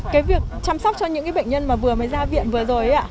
cái việc chăm sóc cho những bệnh nhân mà vừa mới ra viện vừa rồi